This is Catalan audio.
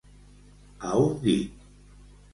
A un dit.